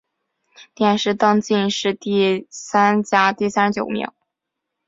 殿试登进士第三甲第三十九名。